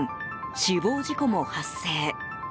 死亡事故も発生。